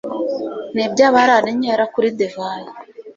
Ni iby’abarara inkera kuri divayi